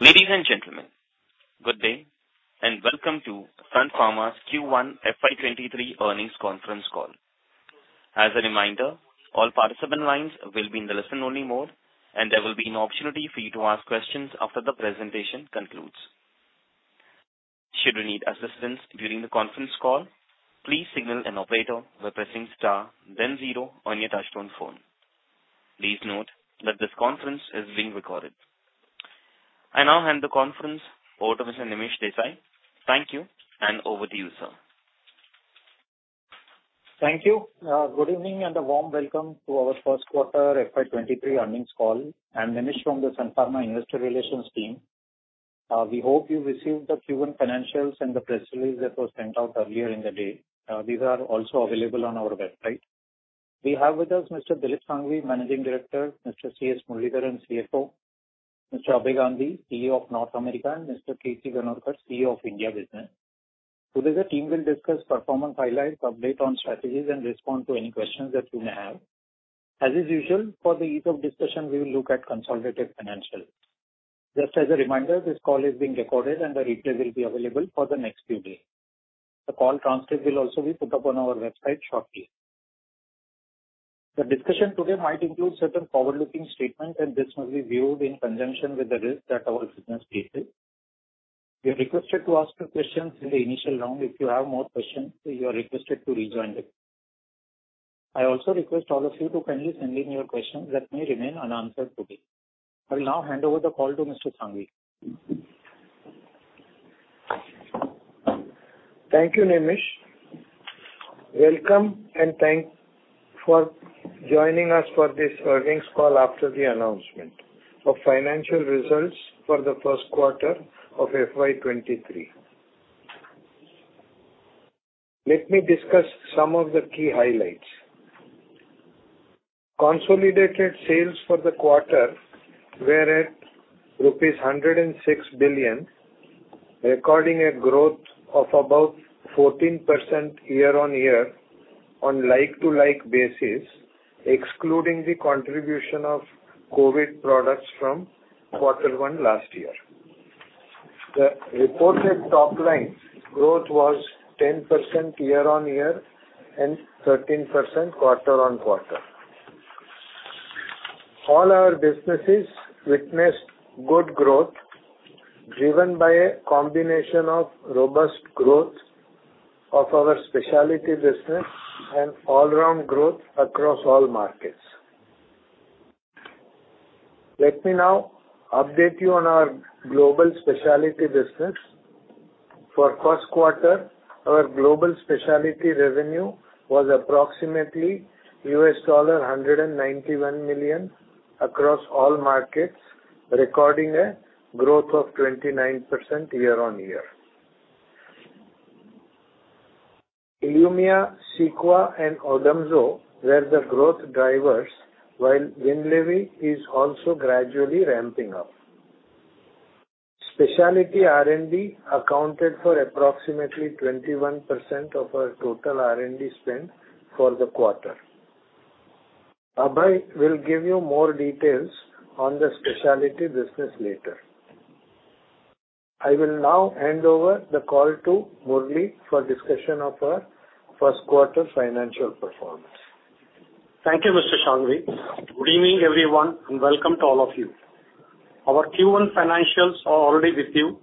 Ladies and gentlemen, good day and welcome to Sun Pharma's Q1 FY23 earnings conference call. As a reminder, all participant lines will be in the listen-only mode, and there will be an opportunity for you to ask questions after the presentation concludes. Should you need assistance during the conference call, please signal an operator by pressing star then zero on your touchtone phone. Please note that this conference is being recorded. I now hand the conference over to Mr. Nimish Desai. Thank you, and over to you, sir. Thank you. Good evening and a warm welcome to our first quarter FY23 earnings call. I'm Nimish from the Sun Pharma Investor Relations team. We hope you received the Q1 financials and the press release that was sent out earlier in the day. These are also available on our website. We have with us Mr. Dilip Shanghvi, Managing Director, Mr. C.S. Muralidharan, Chief Financial Officer, Mr. Abhay Gandhi, CEO of North America, and Mr. Kirti Ganorkar, CEO of India Business. Today, the team will discuss performance highlights, update on strategies, and respond to any questions that you may have. As is usual, for the ease of discussion, we will look at consolidated financials. Just as a reminder, this call is being recorded and the replay will be available for the next few days. The call transcript will also be put up on our website shortly. The discussion today might include certain forward-looking statements, and this must be viewed in conjunction with the risks that our business faces. You're requested to ask your questions in the initial round. If you have more questions, you are requested to rejoin the queue. I also request all of you to kindly send in your questions that may remain unanswered today. I will now hand over the call to Mr. Shanghvi. Thank you, Nimish. Welcome, and thank you for joining us for this earnings call after the announcement of financial results for the first quarter of FY23. Let me discuss some of the key highlights. Consolidated sales for the quarter were at rupees 106 billion, recording a growth of about 14% year-on-year on like-for-like basis, excluding the contribution of COVID products from quarter one last year. The reported top line growth was 10% year-on-year and 13% quarter-on-quarter. All our businesses witnessed good growth driven by a combination of robust growth of our specialty business and all-around growth across all markets. Let me now update you on our global specialty business. For first quarter, our global specialty revenue was approximately $191 million across all markets, recording a growth of 29% year-on-year. Ilumya, Cequa, and Odomzo were the growth drivers, while Winlevi is also gradually ramping up. Specialty R&D accounted for approximately 21% of our total R&D spend for the quarter. Abhay will give you more details on the specialty business later. I will now hand over the call to Muralidharan for discussion of our first quarter financial performance. Thank you, Mr. Shanghvi. Good evening, everyone, and welcome to all of you. Our Q1 financials are already with you.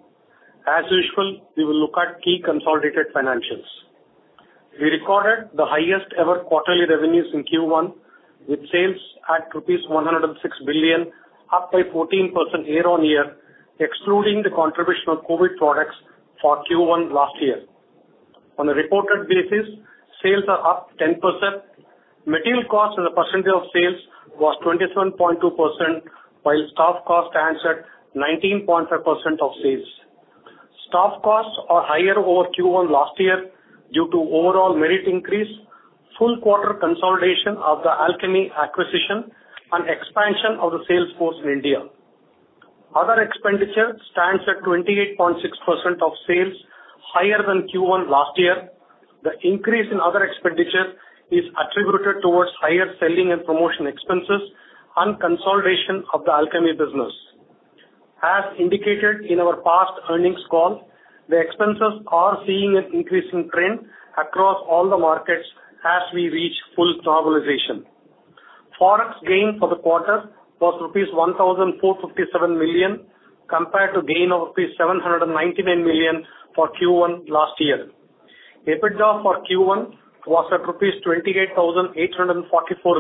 As usual, we will look at key consolidated financials. We recorded the highest ever quarterly revenues in Q1 with sales at rupees 106 billion, up by 14% year-on-year, excluding the contribution of COVID products for Q1 last year. On a reported basis, sales are up 10%. Material cost as a percentage of sales was 27.2%, while staff cost stands at 19.5% of sales. Staff costs are higher over Q1 last year due to overall merit increase, full quarter consolidation of the Alchemee acquisition, and expansion of the sales force in India. Other expenditure stands at 28.6% of sales, higher than Q1 last year. The increase in other expenditure is attributed towards higher selling and promotion expenses and consolidation of the Alchemee business. As indicated in our past earnings call, the expenses are seeing an increasing trend across all the markets as we reach full normalization. Forex gain for the quarter was rupees 1,457 million, compared to gain of rupees 799 million for Q1 last year. EBITDA for Q1 was at rupees 28,844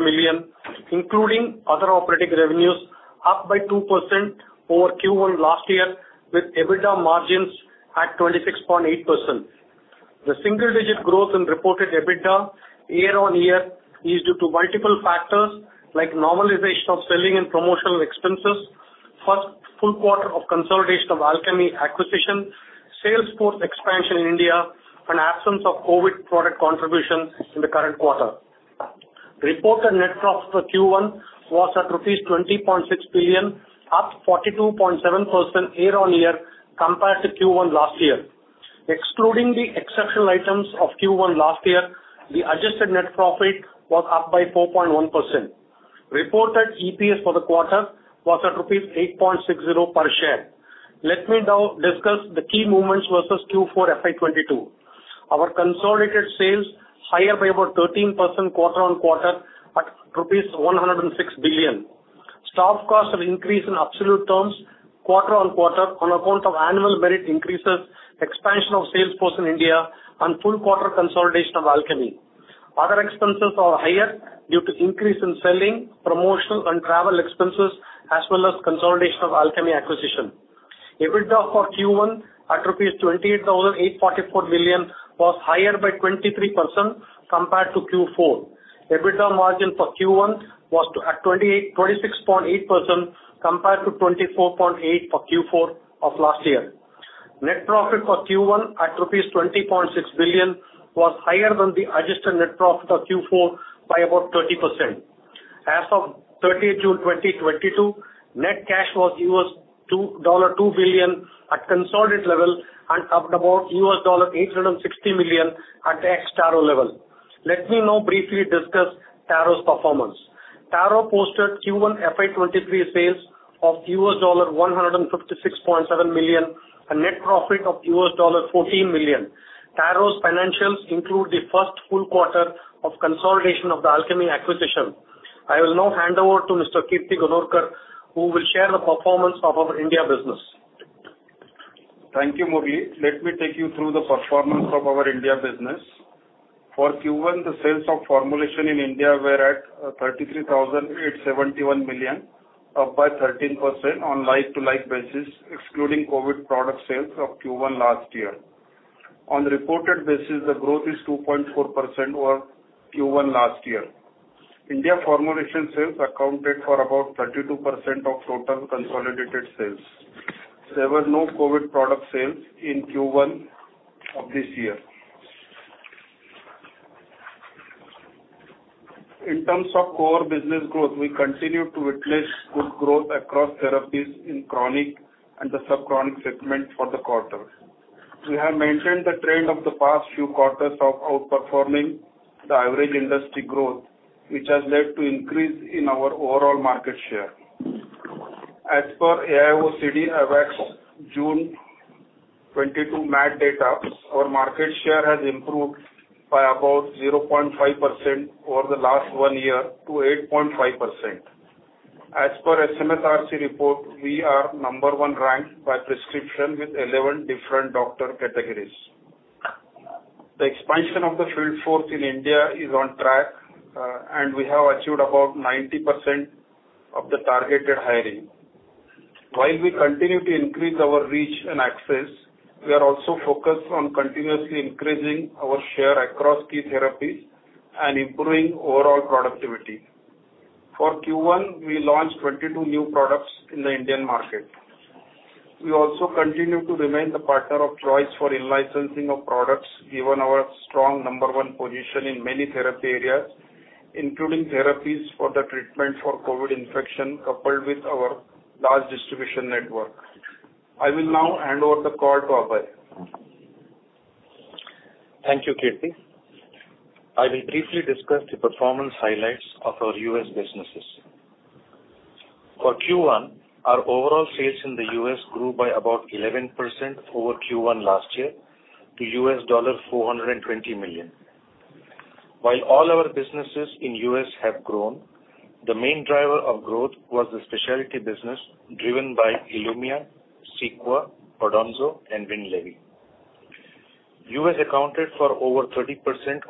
million, including other operating revenues, up by 2% over Q1 last year, with EBITDA margins at 26.8%. The single-digit growth in reported EBITDA year-on-year is due to multiple factors like normalization of selling and promotional expenses, first full quarter of consolidation of Alchemee acquisition, sales force expansion in India, and absence of COVID product contributions in the current quarter. Reported net profit for Q1 was at rupees 20.6 billion, up 42.7% year-on-year compared to Q1 last year. Excluding the exceptional items of Q1 last year, the adjusted net profit was up by 4.1%. Reported EPS for the quarter was at 8.60 rupees per share. Let me now discuss the key movements versus Q4 FY 2022. Our consolidated sales higher by about 13% quarter-on-quarter at rupees 106 billion. Staff costs have increased in absolute terms quarter-on-quarter on account of annual merit increases, expansion of sales force in India and full quarter consolidation of Alchemee. Other expenses are higher due to increase in selling, promotional and travel expenses, as well as consolidation of Alchemee acquisition. EBITDA for Q1 at INR 28,844 million was higher by 23% compared to Q4. EBITDA margin for Q1 was at 26.8% compared to 24.8% for Q4 of last year. Net profit for Q1 at INR 20.6 billion was higher than the adjusted net profit of Q4 by about 30%. As of 30th June 2022, net cash was $2 billion at consolidated level and up about $860 million at the ex-Taro level. Let me now briefly discuss Taro's performance. Taro posted Q1 FY23 sales of $156.7 million, a net profit of $14 million. Taro's financials include the first full quarter of consolidation of the Alchemee acquisition. I will now hand over to Mr. Kirti Ganorkar, who will share the performance of our India business. Thank you, Murali. Let me take you through the performance of our India business. For Q1, the sales of formulation in India were at 33,871 million, up by 13% on like-to-like basis, excluding COVID product sales of Q1 last year. On reported basis, the growth is 2.4% over Q1 last year. India formulation sales accounted for about 32% of total consolidated sales. There were no COVID product sales in Q1 of this year. In terms of core business growth, we continue to witness good growth across therapies in chronic and the subchronic segment for the quarter. We have maintained the trend of the past few quarters of outperforming the average industry growth, which has led to increase in our overall market share. As per AIOCD AWACS June 2022 MAT data, our market share has improved by about 0.5% over the last one year to 8.5%. As per SMSRC report, we are number one ranked by prescription with 11 different doctor categories. The expansion of the field force in India is on track, and we have achieved about 90% of the targeted hiring. While we continue to increase our reach and access, we are also focused on continuously increasing our share across key therapies and improving overall productivity. For Q1, we launched 22 new products in the Indian market. We also continue to remain the partner of choice for in-licensing of products, given our strong number one position in many therapy areas, including therapies for the treatment for COVID infection, coupled with our large distribution network. I will now hand over the call to Abhay. Thank you, Kirti. I will briefly discuss the performance highlights of our U.S. businesses. For Q1, our overall sales in the U.S. grew by about 11% over Q1 last year to $420 million. While all our businesses in U.S. have grown, the main driver of growth was the specialty business driven by Ilumya, Cequa, Odomzo and Winlevi. U.S. accounted for over 30%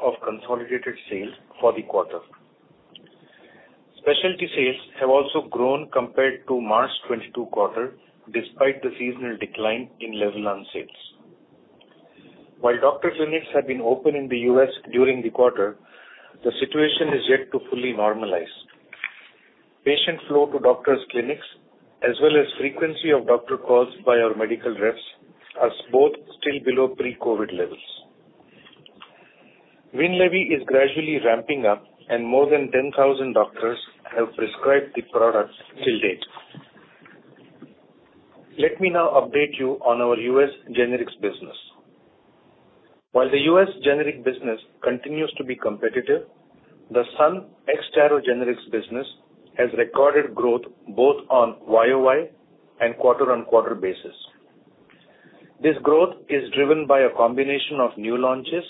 of consolidated sales for the quarter. Specialty sales have also grown compared to March 2022 quarter, despite the seasonal decline in Levulan sales. While doctor clinics have been open in the U.S. during the quarter, the situation is yet to fully normalize. Patient flow to doctor's clinics as well as frequency of doctor calls by our medical reps are both still below pre-COVID levels. Winlevi is gradually ramping up and more than 10,000 doctors have prescribed the products till date. Let me now update you on our U.S. generics business. While the U.S. generic business continues to be competitive, the Sun ex-Taro generics business has recorded growth both on YOY and quarter-on-quarter basis. This growth is driven by a combination of new launches,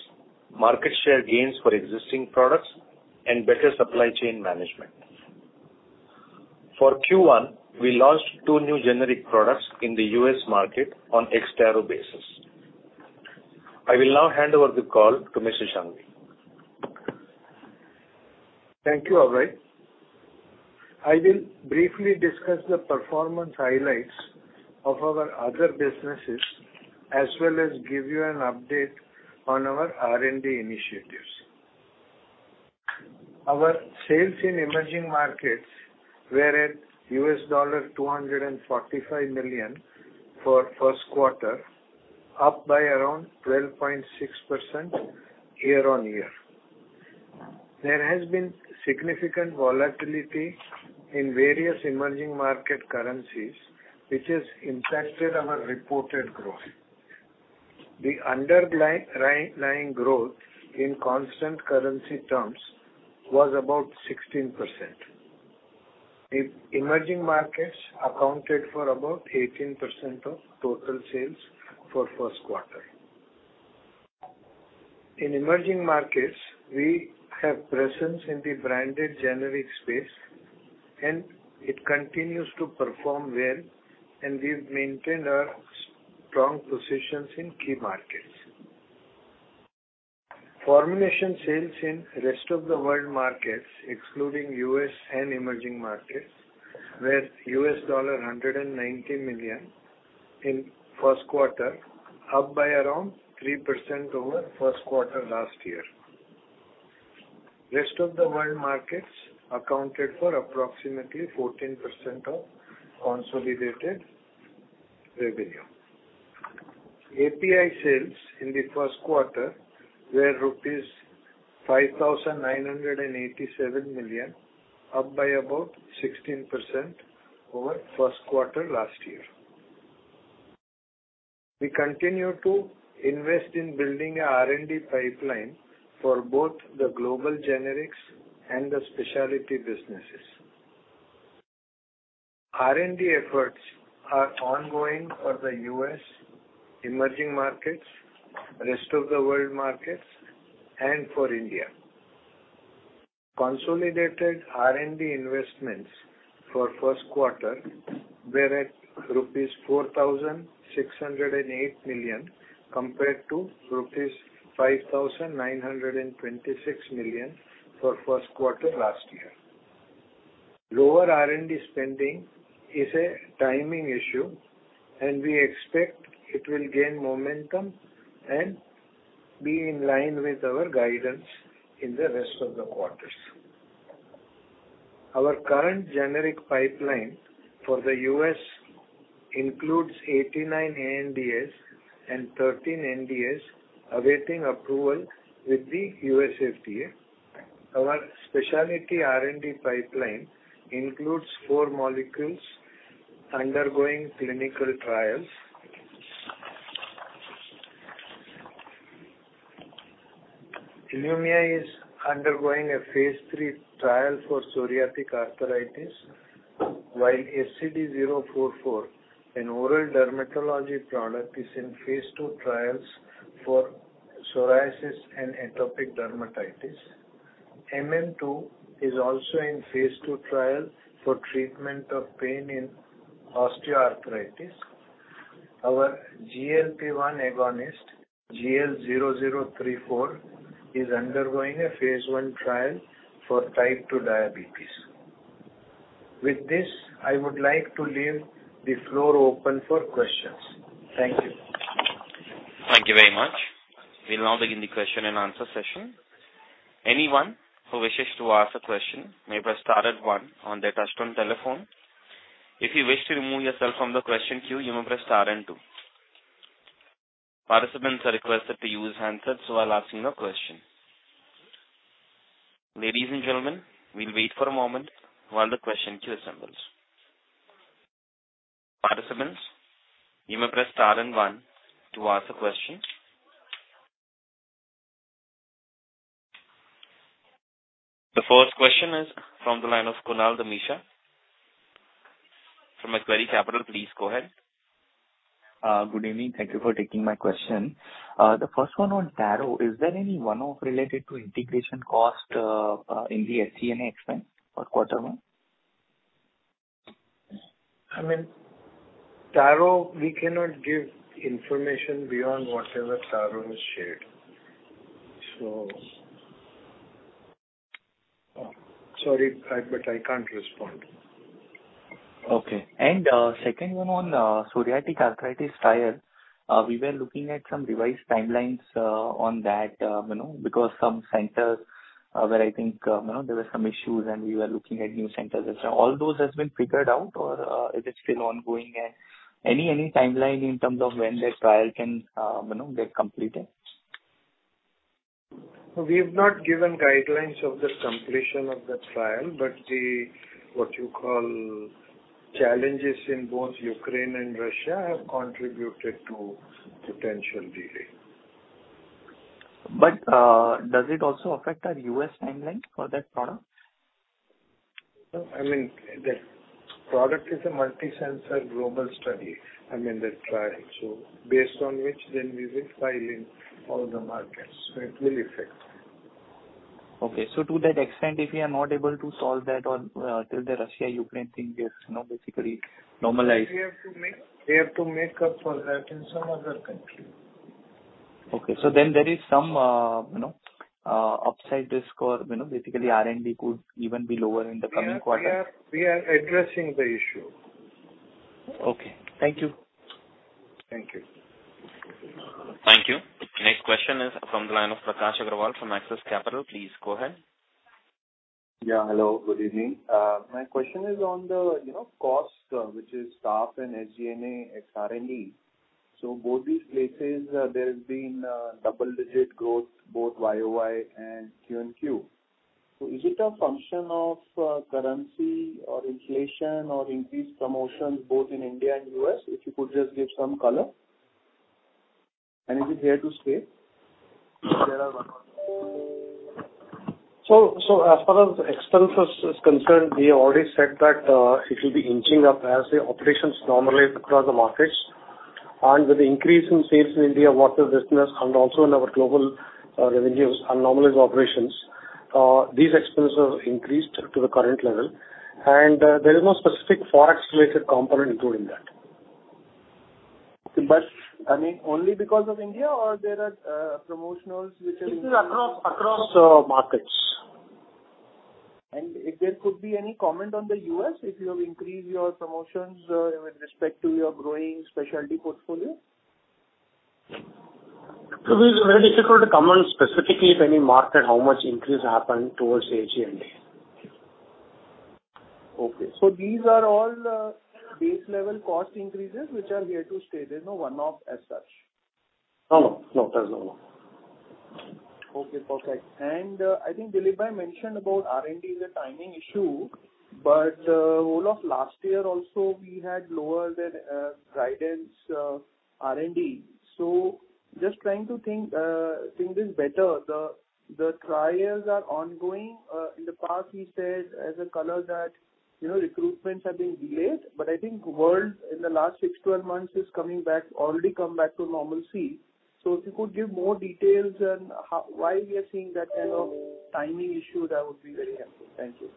market share gains for existing products and better supply chain management. For Q1, we launched two new generic products in the U.S. market on ex-Taro basis. I will now hand over the call to Mr. Shanghvi. Thank you, Abhay. I will briefly discuss the performance highlights of our other businesses as well as give you an update on our R&D initiatives. Our sales in emerging markets were at $245 million for first quarter, up by around 12.6% year-on-year. There has been significant volatility in various emerging market currencies, which has impacted our reported growth. The underlying growth in constant currency terms was about 16%. Emerging markets accounted for about 18% of total sales for first quarter. In emerging markets, we have presence in the branded generic space, and it continues to perform well, and we've maintained our strong positions in key markets. Formulation sales in rest of the world markets, excluding U.S. and emerging markets, were $119 million in first quarter, up by around 3% over first quarter last year. Rest of the world markets accounted for approximately 14% of consolidated revenue. API sales in the first quarter were rupees 5,987 million, up by about 16% over first quarter last year. We continue to invest in building our R&D pipeline for both the global generics and the specialty businesses. R&D efforts are ongoing for the U.S. emerging markets, rest of the world markets, and for India. Consolidated R&D investments for first quarter were at rupees 4,608 million, compared to rupees 5,926 million for first quarter last year. Lower R&D spending is a timing issue, and we expect it will gain momentum and be in line with our guidance in the rest of the quarters. Our current generic pipeline for the U.S. includes 89 ANDAs and 13 NDAs awaiting approval with the U.S. FDA. Our specialty R&D pipeline includes four molecules undergoing clinical trials. Ilumya is undergoing a phase III trial for psoriatic arthritis, while SCD-044, an oral dermatology product, is in phase II trials for psoriasis and atopic dermatitis. MM-II is also in phase II trial for treatment of pain in osteoarthritis. Our GLP-1 agonist, GL0034, is undergoing a phase I trial for type 2 diabetes. With this, I would like to leave the floor open for questions. Thank you. Thank you very much. We'll now begin the question and answer session. Anyone who wishes to ask a question may press star then one on their touch-tone telephone. If you wish to remove yourself from the question queue, you may press star and two. Participants are requested to use handsets while asking a question. Ladies and gentlemen, we'll wait for a moment while the question queue assembles. Participants, you may press star and one to ask a question. The first question is from the line of Kunal Dhamesha from Macquarie Capital. Please go ahead. Good evening. Thank you for taking my question. The first one on Taro. Is there any one-off related to integration cost in the SG&A expense for quarter one? I mean, Taro, we cannot give information beyond whatever Taro has shared. Sorry, but I can't respond. Okay. Second one on psoriatic arthritis trial. We were looking at some revised timelines on that, you know, because some centers where I think, you know, there were some issues and we were looking at new centers. All those has been figured out or is it still ongoing? And any timeline in terms of when the trial can, you know, get completed? We have not given guidelines of the completion of the trial, but what you call, challenges in both Ukraine and Russia have contributed to potential delay. Does it also affect our U.S. timeline for that product? No. I mean, the product is a multi-center global study. I mean, the trial. Based on which then we will file in all the markets, so it will affect. Okay. To that extent, if you are not able to solve that or till the Russia-Ukraine thing gets, you know, basically normalized. We have to make up for that in some other country. Okay. There is some, you know, upside risk or, you know, basically R&D could even be lower in the coming quarter. We are addressing the issue. Okay. Thank you. Thank you. Thank you. The next question is from the line of Prakash Agarwal from Axis Capital. Please go ahead. Hello, good evening. My question is on the, you know, cost, which is staff and SG&A, ex-R&D. Both these places, there's been double-digit growth, both YOY and QOQ. Is it a function of currency or inflation or increased promotions both in India and U.S.? If you could just give some color and is it here to stay? As far as expenses is concerned, we already said that it will be inching up as the operations normalize across the markets. With the increase in sales in India what we witnessed and also in our global revenues and normalized operations, these expenses have increased to the current level. There is no specific Forex related component including that. I mean, only because of India or there are promotionals which are This is across markets. If there could be any comment on the U.S. if you have increased your promotions, with respect to your growing specialty portfolio? It is very difficult to comment specifically in any market, how much increase happened toward SG&A. Okay. These are all base level cost increases which are here to stay. There's no one-off as such. No, there's no one-off. Okay, perfect. I think Dilip mentioned about R&D is a timing issue, but whole of last year also we had lower than guidance R&D. Just trying to think this better. The trials are ongoing. In the past, he said as a color that, you know, recruitments have been delayed, but I think the world in the last six to 12 months is coming back, already come back to normalcy. If you could give more details on why we are seeing that kind of timing issue, that would be very helpful. Thank you.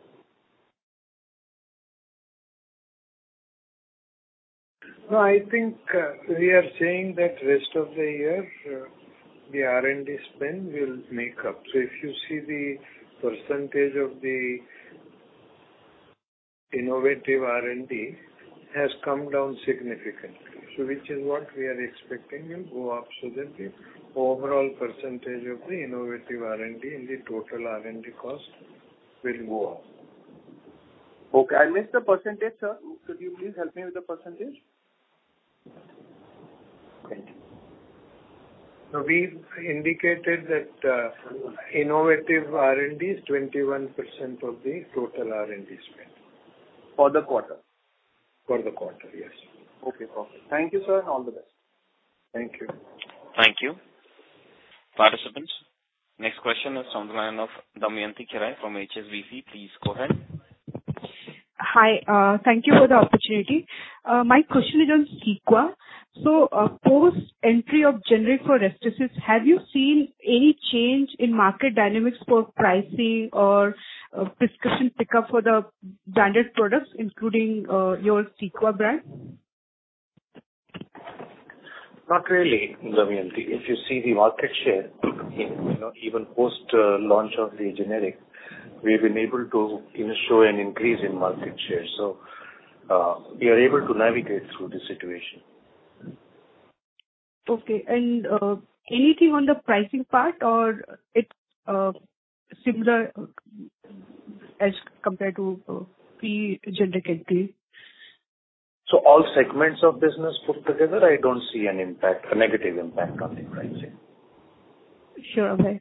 No, I think, we are saying that rest of the year, the R&D spend will make up. If you see the percentage of the innovative R&D has come down significantly. Which is what we are expecting will go up so that the overall percentage of the innovative R&D in the total R&D cost will go up. Okay. I missed the percentage, sir. Could you please help me with the percentage? We indicated that innovative R&D is 21% of the total R&D spend. For the quarter? For the quarter, yes. Okay. Perfect. Thank you, sir, and all the best. Thank you. Thank you. Participants, next question is from the line of Damayanti Kerai from HSBC. Please go ahead. Hi. Thank you for the opportunity. My question is on Cequa. Post entry of generic for Restasis, have you seen any change in market dynamics for pricing or, prescription pickup for the branded products, including, your Cequa brand? Not really, Damayanti. If you see the market share, you know, even post launch of the generic, we've been able to, you know, show an increase in market share. We are able to navigate through the situation. Okay. Anything on the pricing part or it's similar as compared to pre-generic entry? All segments of business put together, I don't see an impact, a negative impact on the pricing. Sure. Okay.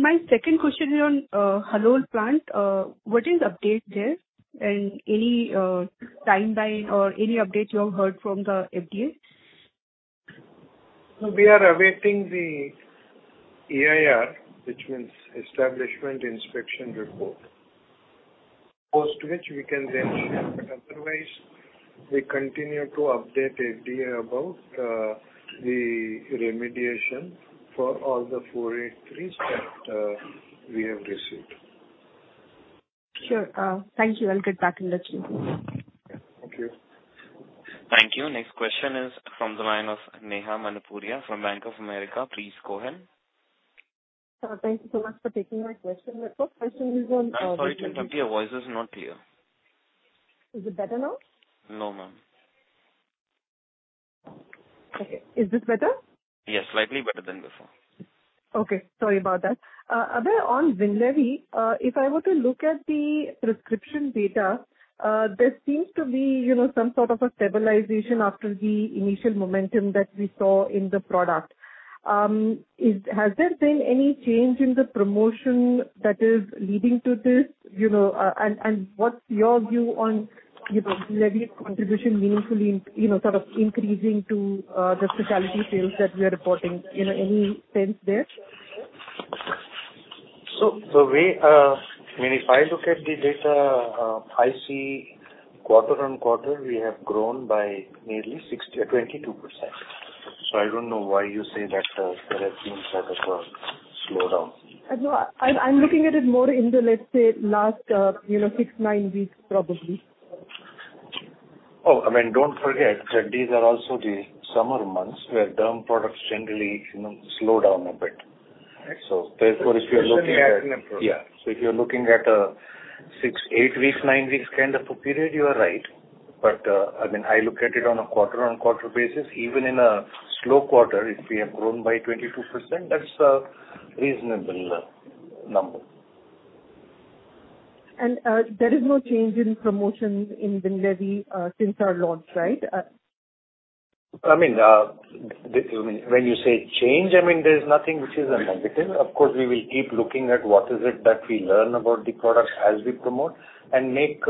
My second question is on Halol plant. What is the update there? Any timeline or any update you have heard from the FDA? We are awaiting the EIR, which means Establishment Inspection Report. Post which we can then share, but otherwise we continue to update FDA about the remediation for all the 483s that we have received. Sure. Thank you. I'll get back in the queue. Okay. Thank you. Thank you. Next question is from the line of Neha Manpuria from Bank of America. Please go ahead. Thank you so much for taking my question. My first question is on. I'm sorry, Neha, your voice is not clear. Is it better now? No, ma'am. Okay. Is this better? Yes, slightly better than before. Okay. Sorry about that. Abhay, on Winlevi, if I were to look at the prescription data, there seems to be, you know, some sort of a stabilization after the initial momentum that we saw in the product. Has there been any change in the promotion that is leading to this? You know, and what's your view on, you know, Winlevi contribution meaningfully, you know, sort of increasing to, the specialty sales that we are reporting, you know, any sense there? The way, I mean, if I look at the data, I see quarter-on-quarter we have grown by nearly 22%. I don't know why you say that, there has been sort of a slowdown. No, I'm looking at it more in the, let's say last six, nine weeks probably. I mean, don't forget that these are also the summer months where derm products generally, you know, slow down a bit. So if you're looking at a six, eight weeks, nine weeks kind of a period, you are right. I mean, I look at it on a quarter-over-quarter basis. Even in a slow quarter, if we have grown by 22%, that's a reasonable number. There is no change in promotions in Winlevi since our launch, right? I mean, when you say change, I mean, there's nothing which is a negative. Of course, we will keep looking at what is it that we learn about the product as we promote and make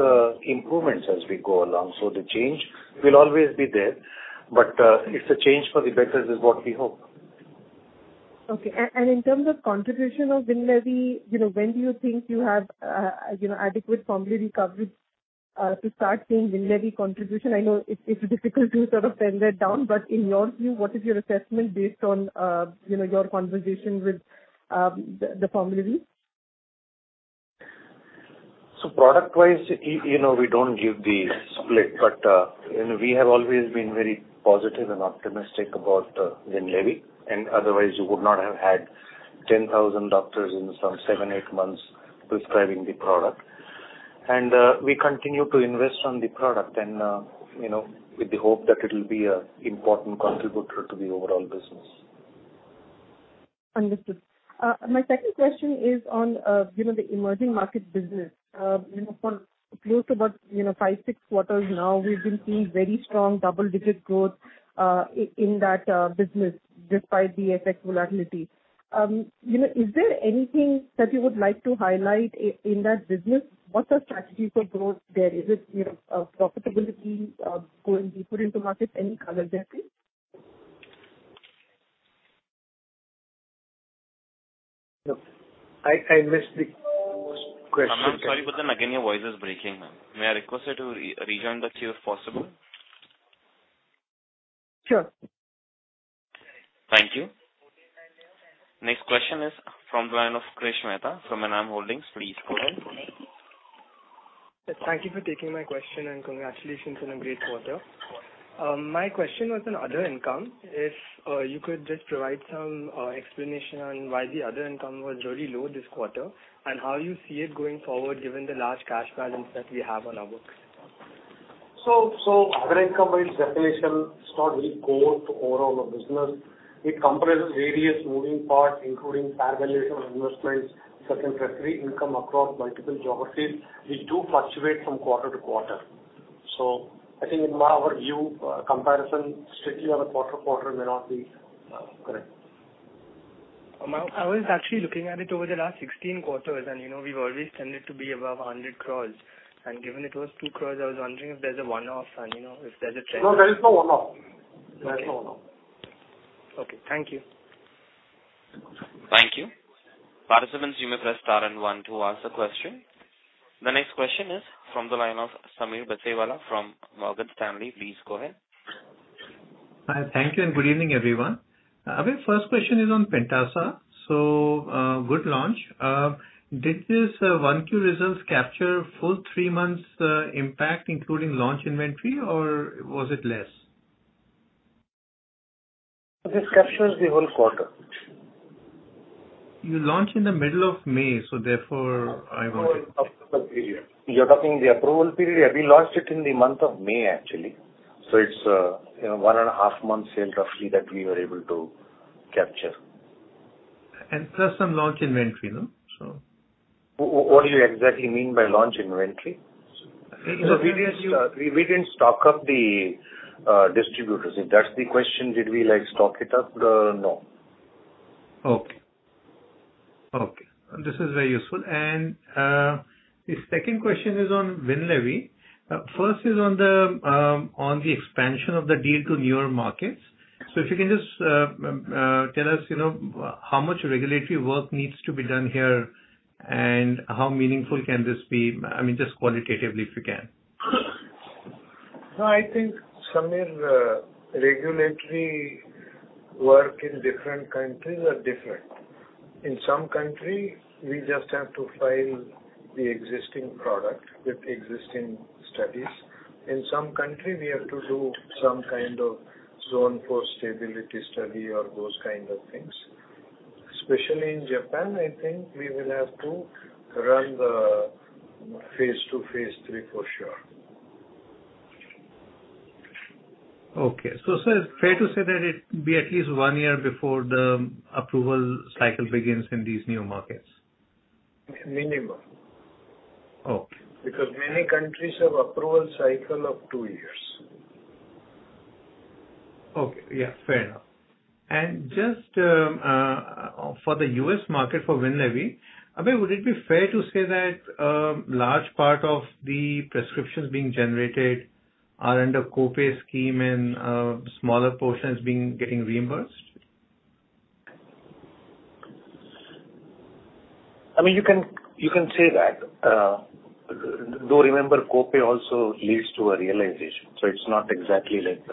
improvements as we go along. The change will always be there, but it's a change for the better is what we hope. Okay. In terms of contribution of Winlevi, you know, when do you think you have, you know, adequate formulary coverage, to start seeing Winlevi contribution? I know it's difficult to sort of pin that down, but in your view, what is your assessment based on, you know, your conversation with the formulary? Product-wise, you know, we don't give the split, but, you know, we have always been very positive and optimistic about Winlevi. Otherwise, you would not have had 10,000 doctors in some seven-eight months prescribing the product. We continue to invest on the product and, you know, with the hope that it'll be an important contributor to the overall business. Understood. My second question is on, you know, the emerging market business. You know, for close to about, you know, five, six quarters now, we've been seeing very strong double-digit growth in that business despite the FX volatility. You know, is there anything that you would like to highlight in that business? What are strategies for growth there? Is it, you know, profitability, going deeper into markets, any color there, please? No. I missed the question. Ma'am, sorry, but again, your voice is breaking. May I request her to rejoin the queue if possible? Sure. Thank you. Next question is from the line of Krish Mehta from Enam Holdings. Please go ahead. Thank you for taking my question, and congratulations on a great quarter. My question was on other income. If you could just provide some explanation on why the other income was really low this quarter, and how you see it going forward given the large cash balance that we have on our books. Other income by its definition is not really core to overall our business. It comprises various moving parts, including fair valuation of investments, certain treasury income across multiple geographies, which do fluctuate from quarter to quarter. I think in our view, comparison strictly on a quarter-to-quarter may not be correct. I was actually looking at it over the last 16 quarters, and, you know, we've always tended to be above 100 crores. Given it was 2 crores, I was wondering if there's a one-off and, you know, if there's a trend? No, there is no one-off. Okay. There's no one-off. Okay. Thank you. Thank you. Participant, you may press star and one to ask a question. The next question is from the line of Sameer Baisiwala from Morgan Stanley. Please go ahead. Hi. Thank you and good evening, everyone. Abhay, first question is on Pentasa. Good launch. Did this 1Q results capture full three months impact including launch inventory or was it less? It captures the whole quarter. You launch in the middle of May, so therefore I wanted. You're talking the approval period. We launched it in the month of May, actually. It's, you know, one and a half months sale roughly that we were able to capture. Plus some launch inventory, no? What do you exactly mean by launch inventory? We didn't stock up the distributors. If that's the question, did we like stock it up? No. This is very useful. The second question is on Winlevi. First is on the expansion of the deal to newer markets. If you can just tell us, you know, how much regulatory work needs to be done here and how meaningful can this be? I mean, just qualitatively if you can. No, I think, Sameer, regulatory work in different countries are different. In some country, we just have to file the existing product with existing studies. In some country, we have to do some kind of zone for stability study or those kind of things. Especially in Japan, I think we will have to run the phase II, phase III for sure. Okay. Sir, fair to say that it be at least one year before the approval cycle begins in these new markets? Minimum. Okay. Because many countries have approval cycle of two years. Okay. Yeah, fair enough. Just for the U.S. market for Winlevi, Abhay, would it be fair to say that large part of the prescriptions being generated are under co-pay scheme and smaller portions being getting reimbursed? I mean, you can say that. Though remember, co-pay also leads to a realization, so it's not exactly like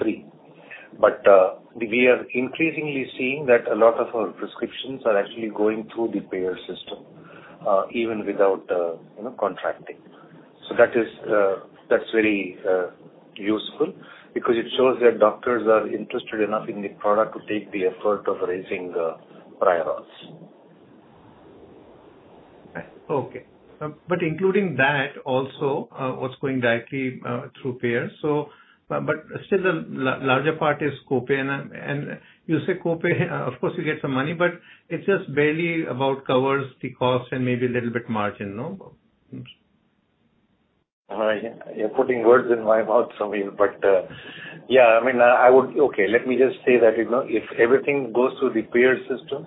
free. We are increasingly seeing that a lot of our prescriptions are actually going through the payer system, even without you know, contracting. That is, that's very useful because it shows that doctors are interested enough in the product to take the effort of raising prior auths. Okay. Including that also, what's going directly through payer. Still the larger part is co-pay and you say co-pay, of course you get some money, but it just barely covers the cost and maybe a little bit margin, no? All right. You're putting words in my mouth, Sameer. I mean, yeah, okay, let me just say that, you know, if everything goes through the payer system,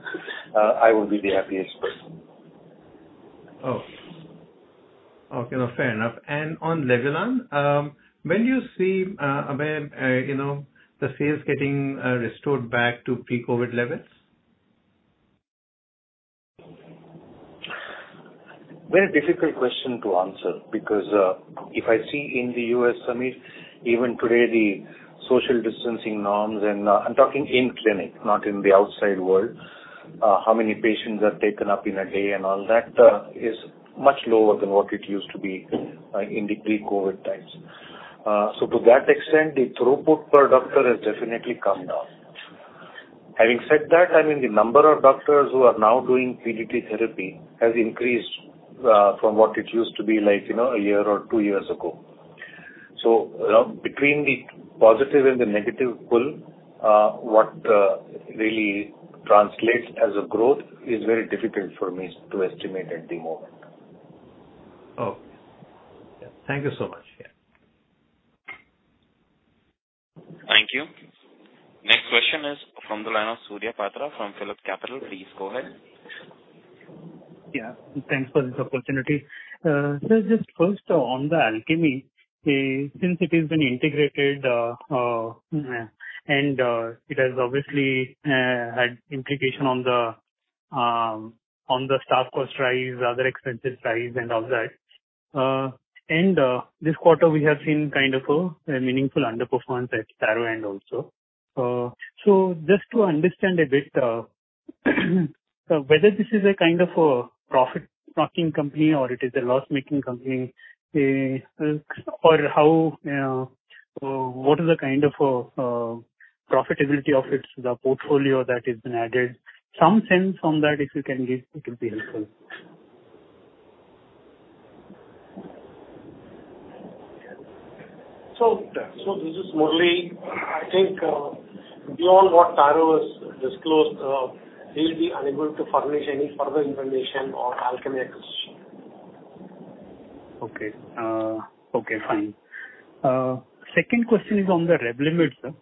I would be the happiest person. Okay, no, fair enough. On Levulan, when do you see, you know, the sales getting restored back to pre-COVID levels? Very difficult question to answer because, if I see in the U.S., Sameer, even today the social distancing norms and I'm talking in clinic, not in the outside world. How many patients are taken up in a day and all that is much lower than what it used to be, in the pre-COVID times. To that extent, the throughput per doctor has definitely come down. Having said that, I mean, the number of doctors who are now doing PDT therapy has increased, from what it used to be like, you know, a year or two years ago. Between the positive and the negative pull, what really translates as a growth is very difficult for me to estimate at the moment. Oh. Thank you so much. Yeah. Thank you. Next question is from the line of Surya Patra from PhillipCapital. Please go ahead. Yeah, thanks for this opportunity. Just first on the Alchemee, since it has been integrated, and it has obviously had implication on the staff cost rise, other expenses rise and all that. This quarter we have seen kind of a meaningful underperformance at Taro end also. Just to understand a bit, whether this is a kind of a profit-making company or it is a loss-making company, or what is the kind of profitability of its the portfolio that has been added. Some sense on that, if you can give, it will be helpful. This is Murali. I think, beyond what Taro has disclosed, we'll be unable to furnish any further information on Alchemee acquisition. Okay, fine. Second question is on the Revlimid,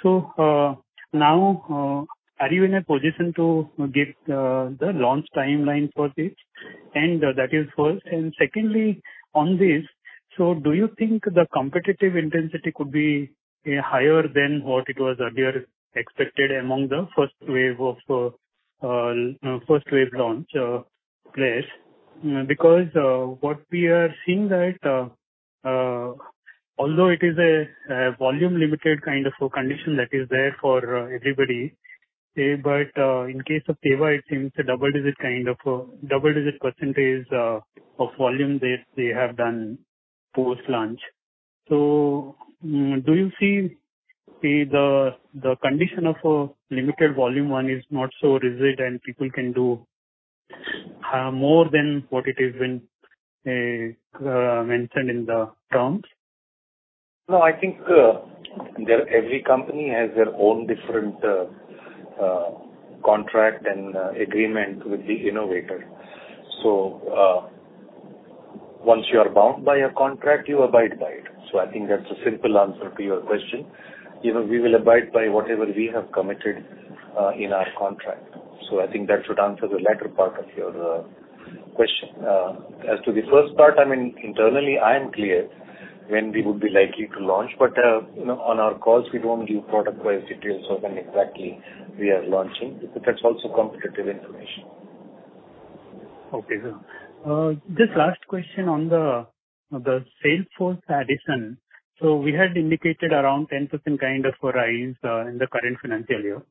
sir. Now, are you in a position to give the launch timeline for this? That is first. Secondly, on this, do you think the competitive intensity could be higher than what it was earlier expected among the first wave launch players? Because what we are seeing that although it is a volume limited kind of a condition that is there for everybody, but in case of Teva, it seems a double-digit percentage of volume they have done post-launch. Do you see the condition of a limited volume one is not so rigid and people can do more than what it has been mentioned in the terms? No, I think every company has their own different contract and agreement with the innovator. Once you are bound by a contract, you abide by it. I think that's a simple answer to your question. You know, we will abide by whatever we have committed in our contract. I think that should answer the latter part of your question. As to the first part, I mean, internally, I am clear when we would be likely to launch, but you know, on our calls, we don't give product-wise details of when exactly we are launching because that's also competitive information. Okay, sir. Just last question on the sales force addition. We had indicated around 10% kind of a rise in the current financial year.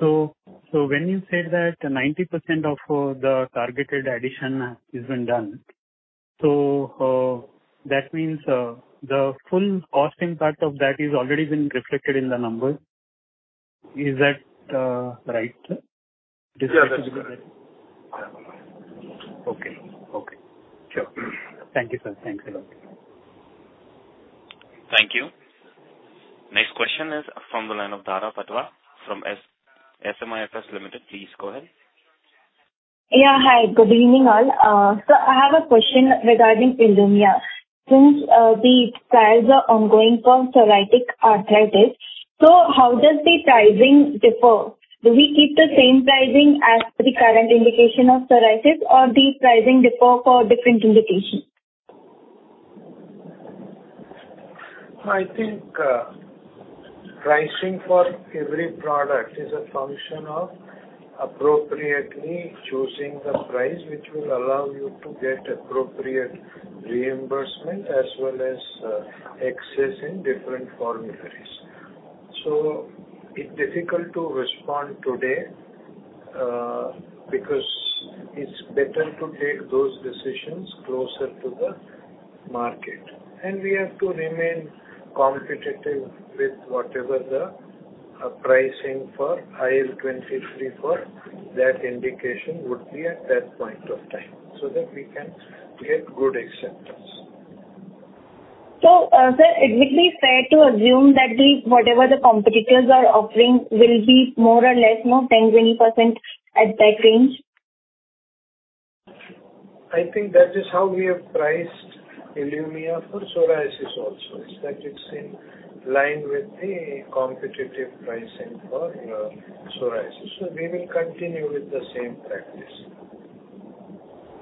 When you said that 90% of the targeted addition has been done, so that means the full costing part of that is already been reflected in the numbers. Is that right, sir? Yes, that's correct. Okay. Sure. Thank you, sir. Thanks a lot. Thank you. Next question is from the line of Dhara Patwa from SMIFS Limited. Please go ahead. Hi. Good evening all. I have a question regarding Ilumya. Since the trials are ongoing for psoriatic arthritis, how does the pricing differ? Do we keep the same pricing as the current indication of psoriasis, or does the pricing differ for different indications? I think, pricing for every product is a function of appropriately choosing the price which will allow you to get appropriate reimbursement as well as, access in different formularies. It's difficult to respond today, because it's better to take those decisions closer to the market. We have to remain competitive with whatever the pricing for IL-23 for that indication would be at that point of time, so that we can get good acceptance. Sir, will it be fair to assume that whatever the competitors are offering will be more or less, you know, 10%-20% at that range? I think that is how we have priced Ilumya for psoriasis also. That it's in line with the competitive pricing for, you know, psoriasis. We will continue with the same practice.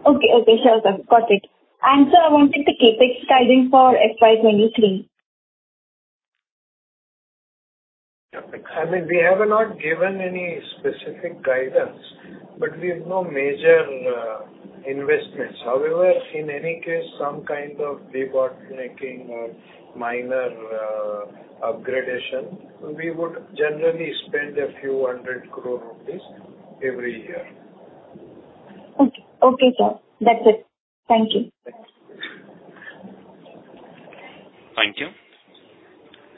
Okay. Sure, sir. Got it. Sir, I wanted the CapEx guidance for FY23. I mean, we have not given any specific guidance, but we have no major investments. However, in any case, some kind of debottlenecking or minor upgradation, we would generally spend a few 100 crore rupees every year. Okay. Okay, sir. That's it. Thank you. Thank you.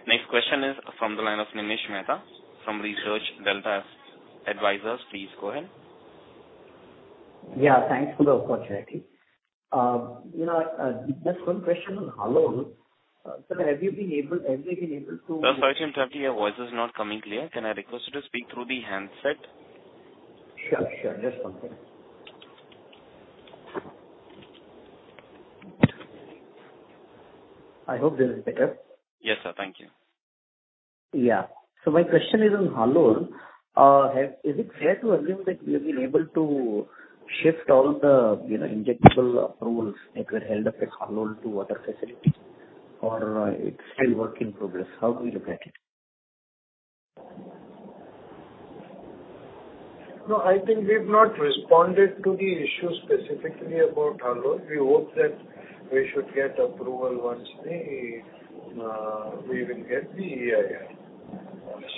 Next question is from the line of Nimish Mehta from ResearchDelta Advisors. Please go ahead. Yeah, thanks for the opportunity. You know, just one question on Halol. Sir, have you been able to- Sir, sorry to interrupt you. Your voice is not coming clear. Can I request you to speak through the handset? Sure, sure. Just one second. I hope this is better. Yes, sir. Thank you. My question is on Halol. Is it fair to assume that you have been able to shift all the, you know, injectable approvals that were held up at Halol to other facilities, or it's still work in progress? How do we look at it? No, I think we've not responded to the issue specifically about Halol. We hope that we should get approval once we will get the EIR.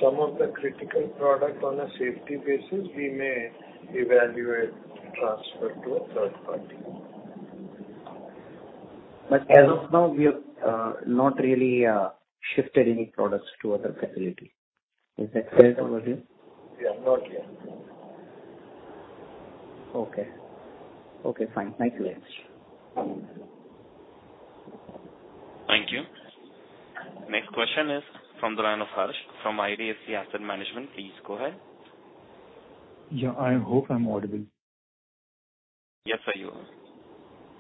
Some of the critical product on a safety basis we may evaluate transfer to a third party. As of now, we have not really shifted any products to other facility. Is that fair to assume? Yeah, not yet. Okay. Okay, fine. Thank you very much. Thank you. Next question is from the line of Harsh from IDFC Asset Management. Please go ahead. Yeah. I hope I'm audible. Yes, sir, you are.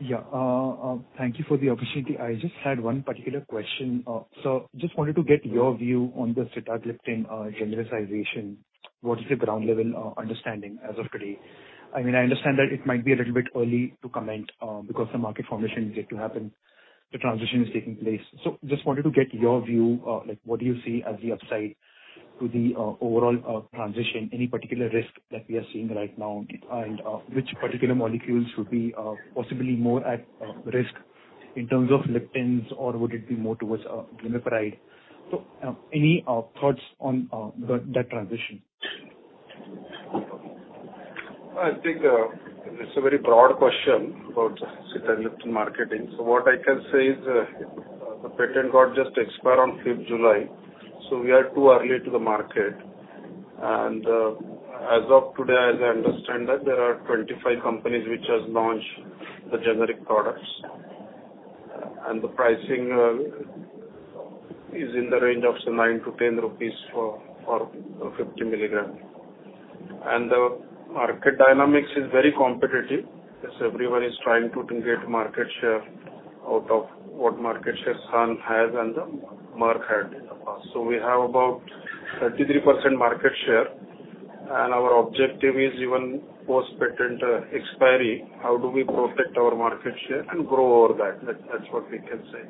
Yeah. Thank you for the opportunity. I just had one particular question. Just wanted to get your view on the sitagliptin generalization. What is the ground level understanding as of today? I mean, I understand that it might be a little bit early to comment because the market formation is yet to happen. The transition is taking place. Just wanted to get your view like what do you see as the upside to the overall transition? Any particular risk that we are seeing right now? And which particular molecules would be possibly more at risk in terms of gliptins or would it be more towards glimepiride? Any thoughts on that transition? I think it's a very broad question about sitagliptin marketing. What I can say is the patent got just expire on fifth July, so we are too early to the market. As of today, as I understand that there are 25 companies which has launched the generic products. The pricing is in the range of some 9-10 rupees for 50 mg. The market dynamics is very competitive as everyone is trying to get market share out of what market share Sun has and the Merck had in the past. We have about 33% market share. Our objective is even post-patent expiry, how do we protect our market share and grow over that. That's what we can say.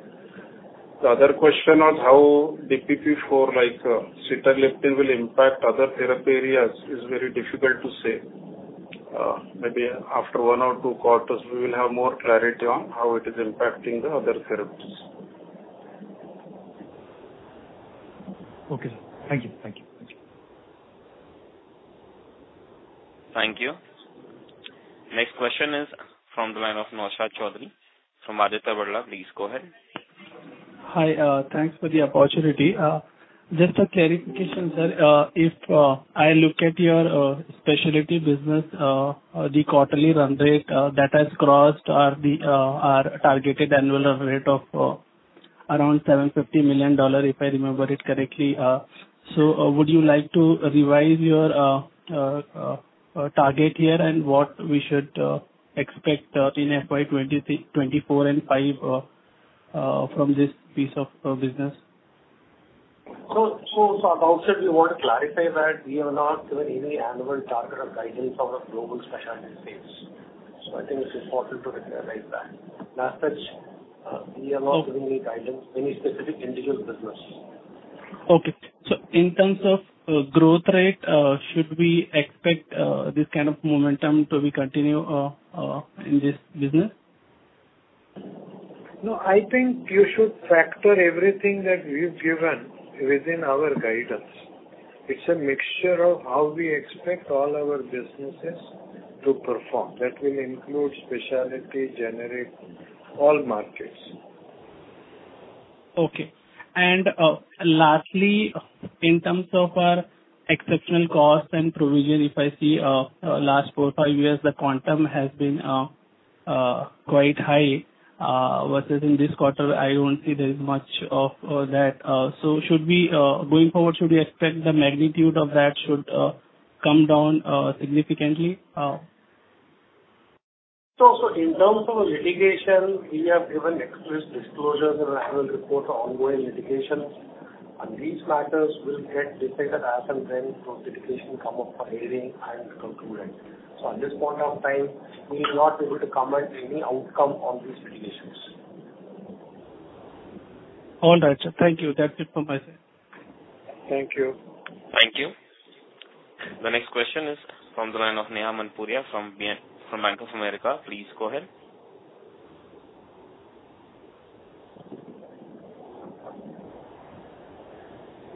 The other question on how DPP4 like, sitagliptin will impact other therapy areas is very difficult to say. Maybe after one or two quarters we will have more clarity on how it is impacting the other therapies. Okay, sir. Thank you. Thank you. Next question is from the line of Naushad Chaudhary from Aditya Birla. Please go ahead. Hi. Thanks for the opportunity. Just a clarification, sir. If I look at your specialty business, the quarterly run rate that has crossed our targeted annual rate of around $750 million, if I remember it correctly. Would you like to revise your target here and what we should expect in FY 2024 and 2025 from this piece of business? At the outset we want to clarify that we have not given any annual target or guidance on a global specialty space. I think it's important to recognize that. As such, we have not given any guidance, any specific individual business. Okay. In terms of growth rate, should we expect this kind of momentum to continue in this business? No, I think you should factor everything that we've given within our guidance. It's a mixture of how we expect all our businesses to perform. That will include specialty, generic, all markets. Okay. Lastly, in terms of our exceptional cost and provision, if I see last four or five years, the quantum has been quite high versus in this quarter I don't see there is much of that. Going forward, should we expect the magnitude of that should come down significantly? In terms of litigation, we have given express disclosures in our annual report for ongoing litigation, and these matters will get decided as and when those litigation come up for hearing and conclusion. At this point of time, we're not able to comment any outcome on these litigations. All right, sir. Thank you. That's it from my side. Thank you. Thank you. The next question is from the line of Neha Manpuria from Bank of America. Please go ahead.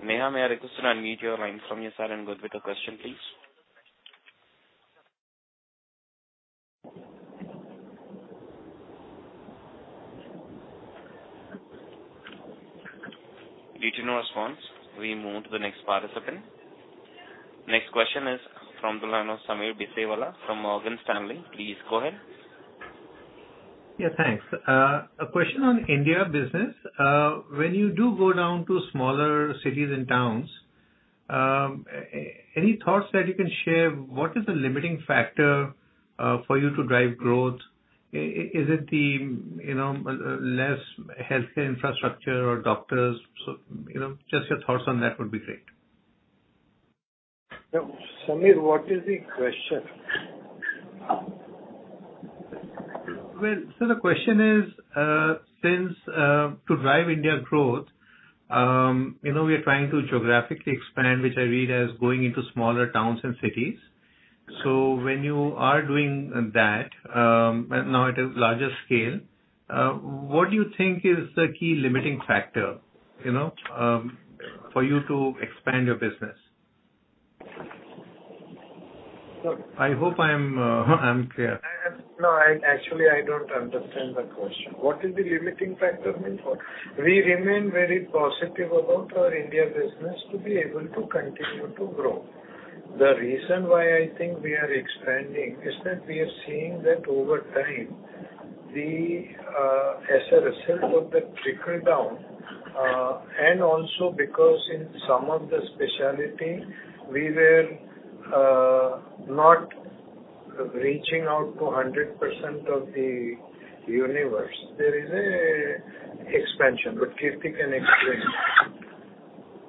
Neha, may I request you unmute your line from your side and go with the question, please. Getting no response. We move to the next participant. Next question is from the line of Sameer Baisiwala from Morgan Stanley. Please go ahead. Yeah, thanks. A question on India business. When you do go down to smaller cities and towns, any thoughts that you can share, what is the limiting factor for you to drive growth? Is it the, you know, less healthcare infrastructure or doctors? You know, just your thoughts on that would be great. Yeah. Sameer, what is the question? Well, the question is since to drive India growth, you know, we are trying to geographically expand, which I read as going into smaller towns and cities. When you are doing that, now at a larger scale, what do you think is the key limiting factor, you know, for you to expand your business? I hope I'm clear. No, actually, I don't understand the question. What is the limiting factor mean for? We remain very positive about our India business to be able to continue to grow. The reason why I think we are expanding is that we are seeing that over time, we, as a result of the trickle-down, and also because in some of the specialty we were not reaching out to 100% of the universe. There is a expansion, but Kirti can explain.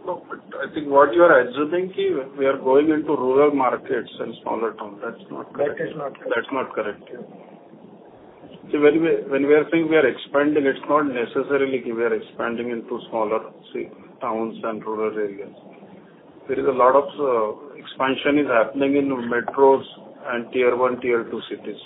No, I think what you are assuming, we are going into rural markets and smaller towns. That's not correct. That is not correct. That's not correct. When we are saying we are expanding, it's not necessarily that we are expanding into smaller towns and rural areas. There is a lot of expansion happening in metros and Tier-1, Tier-2 cities.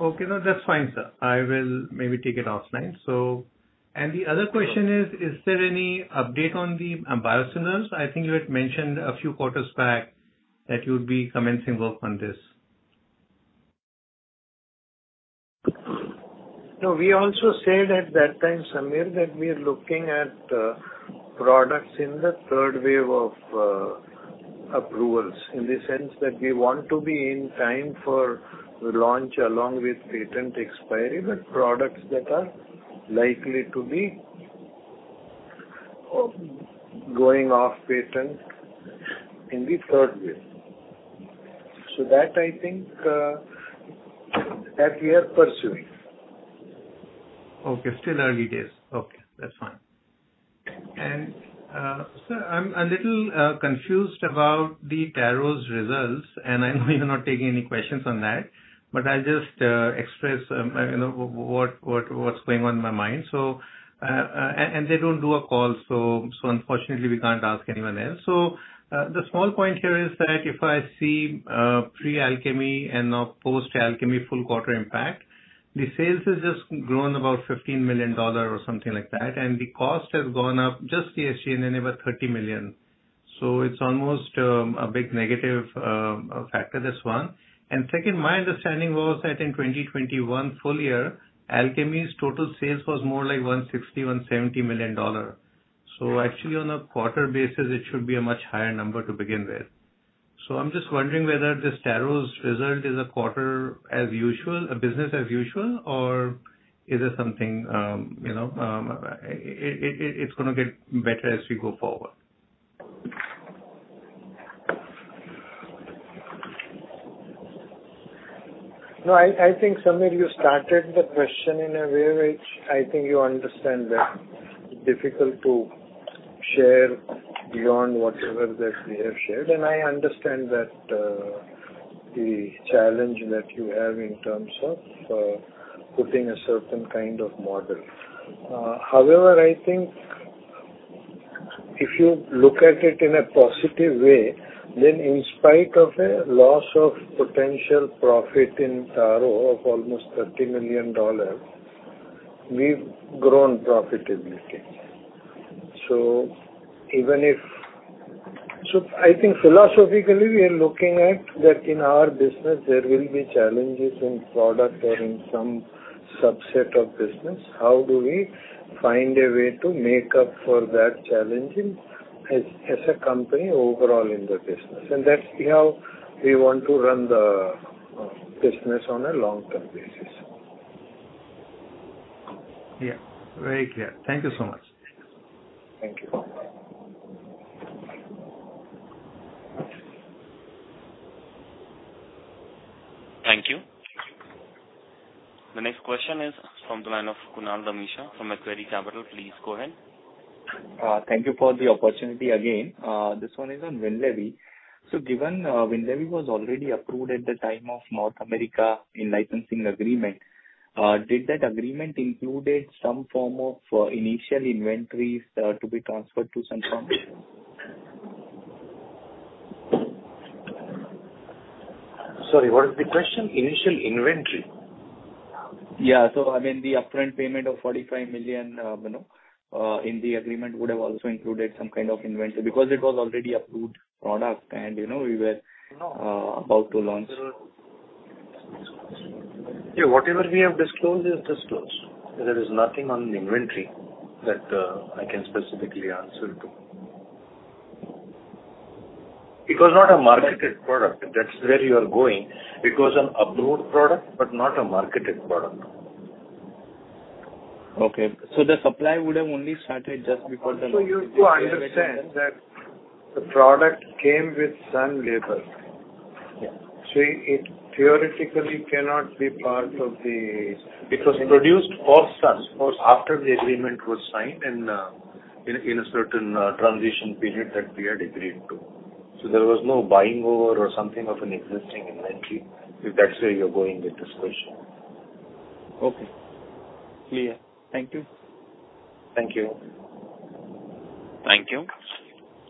Okay. No, that's fine, sir. I will maybe take it offline. The other question is there any update on the biosimilars? I think you had mentioned a few quarters back that you would be commencing work on this. No, we also said at that time, Sameer, that we are looking at products in the third wave of approvals, in the sense that we want to be in time for launch along with patent expiry, the products that are likely to be going off patent in the third wave. That I think that we are pursuing. Okay. Still early days. Okay, that's fine. Sir, I'm a little confused about the Taro's results, and I know you're not taking any questions on that, but I'll just express, you know, what's going on in my mind. They don't do a call, so unfortunately we can't ask anyone else. The small point here is that if I see pre-Alchemee and now post-Alchemee full quarter impact, the sales has just grown about $15 million or something like that, and the cost has gone up just SG&A and then about $30 million. It's almost a big negative factor, this one. Second, my understanding was that in 2021 full year, Alchemee's total sales was more like $160-$170 million. Actually, on a quarter basis it should be a much higher number to begin with. I'm just wondering whether this Taro's result is a quarter as usual, a business as usual, or is it something, you know, it's gonna get better as we go forward. No, I think, Sameer, you started the question in a way which I think you understand it's difficult to share beyond whatever we have shared. I understand the challenge that you have in terms of putting a certain kind of model. However, I think, if you look at it in a positive way, then in spite of a loss of potential profit in Taro of almost $30 million, we've grown profitability. I think philosophically, we are looking at that in our business there will be challenges in product or in some subset of business. How do we find a way to make up for that challenge in as a company overall in the business? That's how we want to run the business on a long-term basis. Yeah. Very clear. Thank you so much. Thank you. Thank you. The next question is from the line of Kunal Dhamesha from Macquarie Capital. Please go ahead. Thank you for the opportunity again. This one is on Winlevi. Given Winlevi was already approved at the time of North America in-licensing agreement, did that agreement included some form of initial inventories to be transferred to Sun Pharma? Sorry, what is the question? Initial inventory. I mean, the upfront payment of 45 million, you know, in the agreement would have also included some kind of inventory because it was already approved product and, you know, we were about to launch. Yeah. Whatever we have disclosed is disclosed. There is nothing on inventory that, I can specifically answer to. It was not a marketed product. If that's where you are going. It was an approved product, but not a marketed product. Okay. The supply would have only started just before the Also you have to understand that the product came with Sun label. Yeah. So it theoretically cannot be part of the. It was produced for Sun after the agreement was signed in a certain transition period that we had agreed to. There was no buying over or something of an existing inventory, if that's where you're going with this question. Okay. Clear. Thank you. Thank you. Thank you.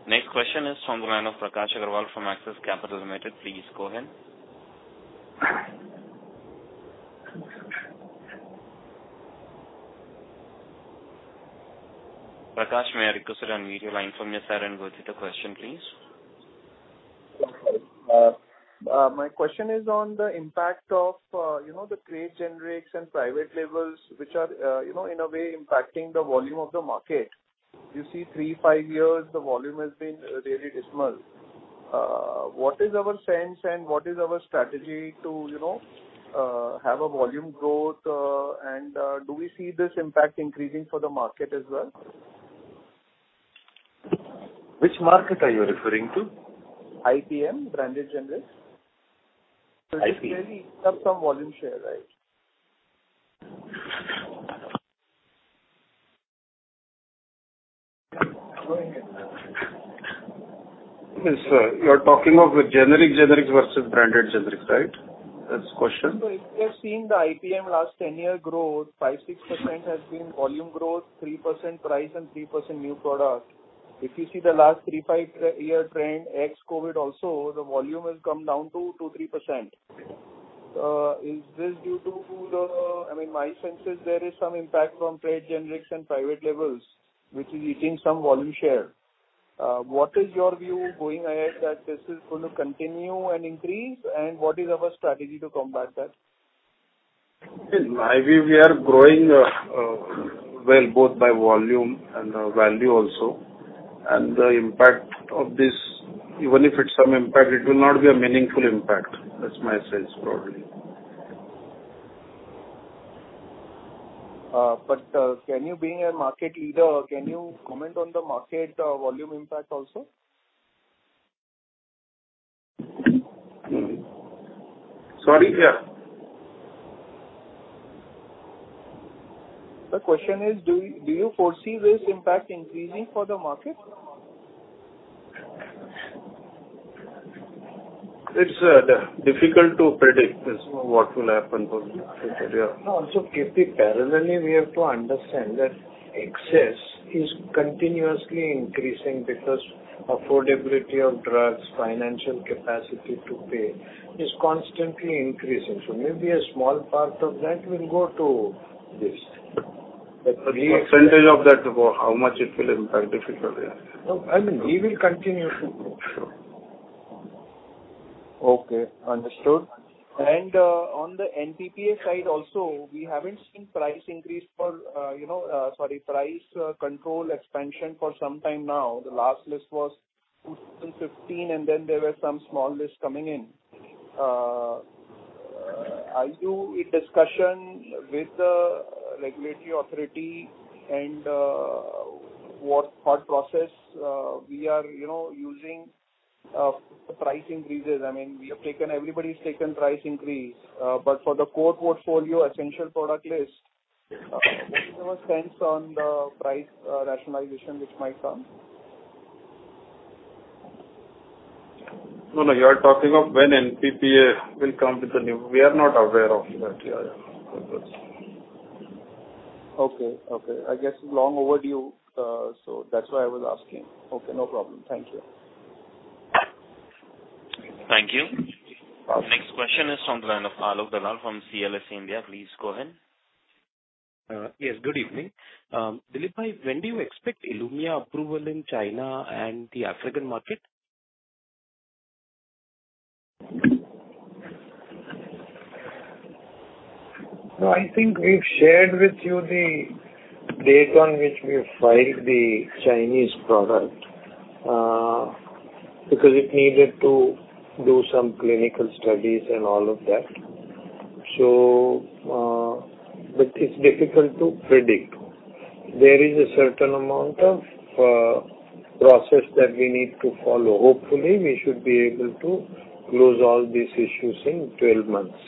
Next question is from the line of Prakash Agarwal from Axis Capital Limited. Please go ahead. Prakash, may I request you to unmute your line from your side and go through the question, please. My question is on the impact of, you know, the trade generics and private labels which are, you know, in a way impacting the volume of the market. You see three-five years the volume has been really dismal. What is our sense and what is our strategy to, you know, have a volume growth, and do we see this impact increasing for the market as well? Which market are you referring to? IPM, branded generics. IP- It's really eaten up some volume share, right? Yes, sir. You're talking of generic generics versus branded generics, right? That's the question. If you have seen the IPM last 10-year growth, 5%-6% has been volume growth, 3% price and 3% new product. If you see the last three-five year trend, ex-COVID also, the volume has come down to 2%-3%. I mean, my sense is there is some impact from trade generics and private labels, which is eating some volume share. What is your view going ahead that this is going to continue and increase and what is our strategy to combat that? In my view, we are growing, well, both by volume and value also. The impact of this, even if it's some impact, it will not be a meaningful impact. That's my sense probably. Being a market leader, can you comment on the market volume impact also? Sorry? Yeah. The question is, do you foresee this impact increasing for the market? It's difficult to predict this, what will happen for the market area. No. Kirti, parallelly, we have to understand that access is continuously increasing because affordability of drugs, financial capacity to pay is constantly increasing. Maybe a small part of that will go to this. Percentage of that, how much it will impact, difficult to say. No. I mean, we will continue to grow. Okay. Understood. On the NPPA side also, we haven't seen price increase for, you know, sorry, price control expansion for some time now. The last list was 2015, and then there were some small lists coming in. Are you in discussion with the regulatory authority and what thought process we are, you know, using price increases? I mean, everybody's taken price increase. But for the core portfolio, essential product list, what is your sense on the price rationalization which might come? No, no. You are talking of when NPPA will come with the new. We are not aware of that yet. Okay. I guess it's long overdue, so that's why I was asking. Okay, no problem. Thank you. Thank you. The next question is from the line of Alok Dalal from CLSA India. Please go ahead. Yes. Good evening. Dilip bhai, when do you expect Ilumya approval in China and the African market? No, I think we've shared with you the date on which we filed the Chinese product, because it needed to do some clinical studies and all of that. It's difficult to predict. There is a certain amount of process that we need to follow. Hopefully, we should be able to close all these issues in 12 months.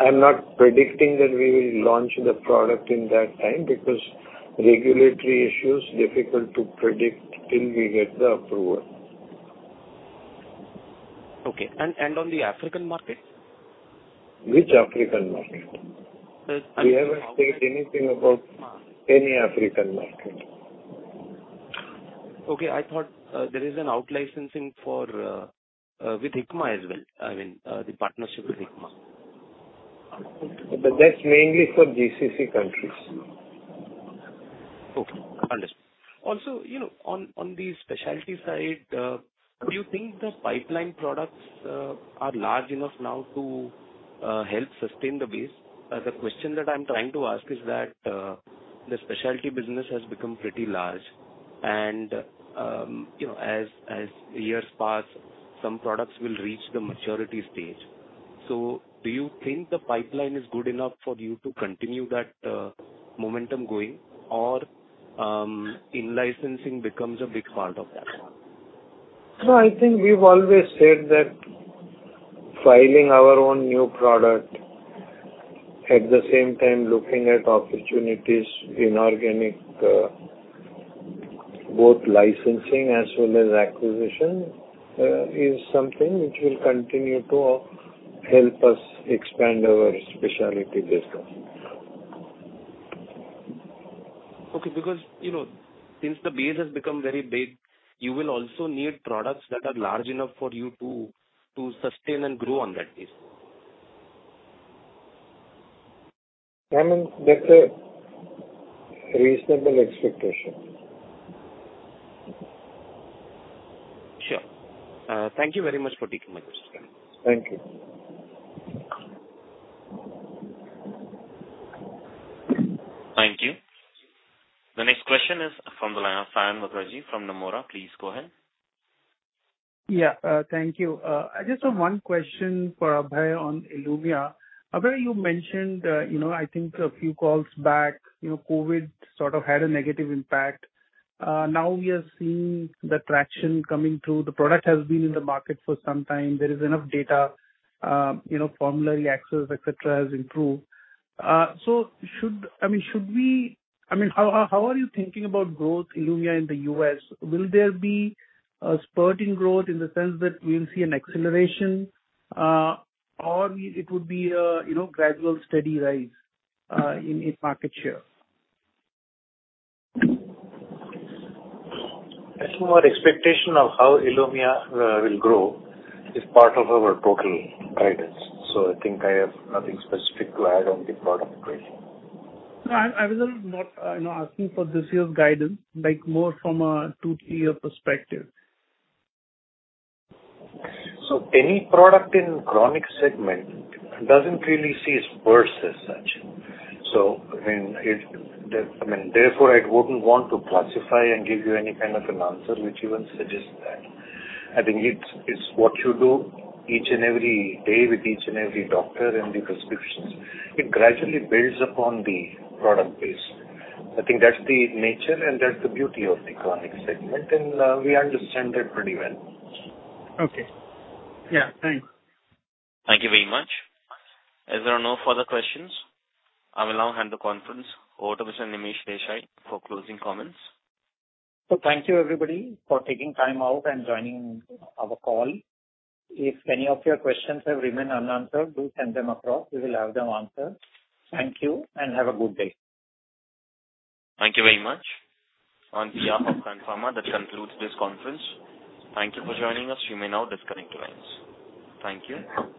I'm not predicting that we will launch the product in that time because regulatory issue's difficult to predict till we get the approval. Okay. On the African market? Which African market? We haven't said anything about any African market. Okay, I thought there is an out-licensing with Hikma as well. I mean, the partnership with Hikma. That's mainly for GCC countries. Okay. Understood. Also, you know, on the specialty side, do you think the pipeline products are large enough now to help sustain the base? The question that I'm trying to ask is that the specialty business has become pretty large and, you know, as years pass, some products will reach the maturity stage. Do you think the pipeline is good enough for you to continue that momentum going or in-licensing becomes a big part of that? No, I think we've always said that filing our own new product, at the same time looking at opportunities, inorganic, both licensing as well as acquisition, is something which will continue to help us expand our specialty business. Okay, because, you know, since the base has become very big, you will also need products that are large enough for you to sustain and grow on that base. I mean, that's a reasonable expectation. Sure. Thank you very much for taking my questions. Thank you. Thank you. The next question is from the line of Saion Mukherjee from Nomura. Please go ahead. Yeah. Thank you. I just have one question for Abhay on Ilumya. Abhay, you mentioned, you know, I think a few calls back, you know, COVID sort of had a negative impact. Now we are seeing the traction coming through. The product has been in the market for some time. There is enough data, you know, formulary access, et cetera, has improved. I mean, how are you thinking about growth, Ilumya, in the U.S.? Will there be a spurt in growth in the sense that we'll see an acceleration, or it would be a, you know, gradual steady rise in its market share? I think our expectation of how Ilumya will grow is part of our total guidance, so I think I have nothing specific to add on the product question. No, I was not, you know, asking for this year's guidance, like more from a two, three perspective. Any product in chronic segment doesn't really see spurts as such. I mean, therefore, I wouldn't want to classify and give you any kind of an answer which even suggests that. I think it's what you do each and every day with each and every doctor and the prescriptions. It gradually builds upon the product base. I think that's the nature and that's the beauty of the chronic segment, and we understand that pretty well. Okay. Yeah. Thanks. Thank you very much. As there are no further questions, I will now hand the conference over to Mr. Nimish Desai for closing comments. Thank you, everybody, for taking time out and joining our call. If any of your questions have remained unanswered, do send them across. We will have them answered. Thank you, and have a good day. Thank you very much. On behalf of Sun Pharma, that concludes this conference. Thank you for joining us. You may now disconnect your lines. Thank you.